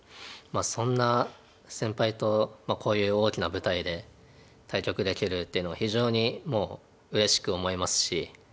そんな先輩とこういう大きな舞台で対局できるっていうのは非常にもううれしく思いますし。